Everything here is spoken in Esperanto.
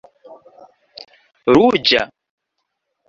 ruĝa